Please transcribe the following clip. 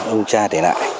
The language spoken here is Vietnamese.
ông cha để lại